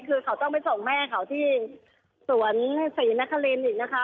คือเขาต้องไปส่งแม่เขาที่สวนศรีนครินอีกนะคะ